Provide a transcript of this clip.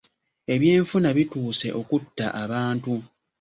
Ebyenfuna bituuse okutta abantu.